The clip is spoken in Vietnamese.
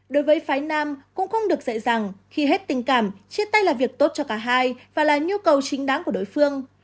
đối với phái nam cũng không được dạy rằng khi hết tình cảm chia tay làm việc tốt cho cả hai và là nhu cầu chính đáng của đối phương